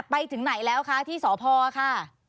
ไปถึงไหนแล้วคะที่สพค่ะ